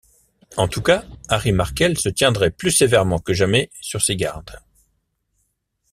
En tout cas, Harry Markel se tiendrait plus sévèrement que jamais sur ses gardes.